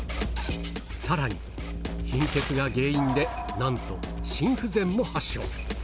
さらに、貧血が原因で、なんと心不全も発症。